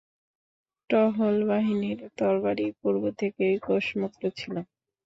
টহল বাহিনীর তরবারি পূর্ব থেকেই কোষমুক্ত ছিল।